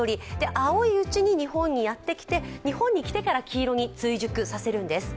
青いうちに日本にやってきて日本にきてから黄色に追熟させるんです。